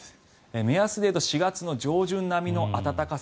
目安で言うと４月の上旬並みの暖かさ。